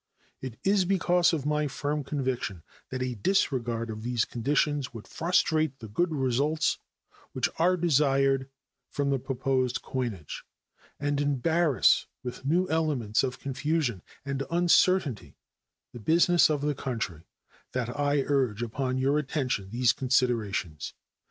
It is because of my firm conviction that a disregard of these conditions would frustrate the good results which are desired from the proposed coinage, and embarrass with new elements of confusion and uncertainty the business of the country, that I urge upon your attention these considerations.